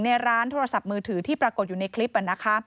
ในร้านโทรศัพท์มือถือที่ปรากฏอยู่ในคลิป